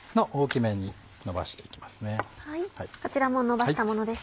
こちらものばしたものです。